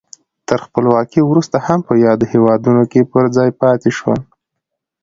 تر خپلواکۍ وروسته هم په یادو هېوادونو کې پر ځای پاتې شول.